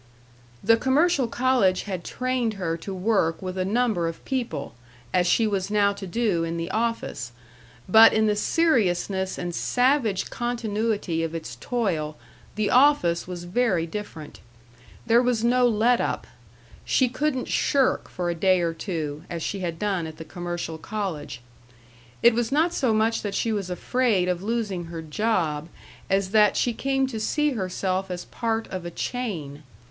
The commercial college had trained her to work with a number of people, as she was now to do in the office; but in the seriousness and savage continuity of its toil, the office was very different. There was no let up; she couldn't shirk for a day or two, as she had done at the commercial college. It was not so much that she was afraid of losing her job as that she came to see herself as part of a chain.